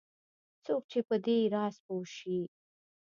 څوک چې په دې راز پوه شي